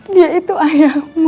dia itu ayahmu